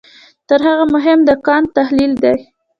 تر هغه مهم د کانټ تحلیل دی.